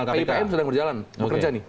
pipm sedang berjalan bekerja nih